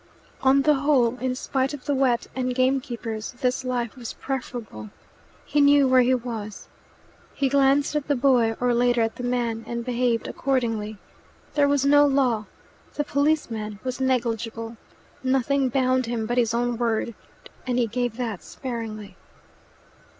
On the whole, in spite of the wet and gamekeepers, this life was preferable. He knew where he was. He glanced at the boy, or later at the man, and behaved accordingly. There was no law the policeman was negligible. Nothing bound him but his own word, and he gave that sparingly.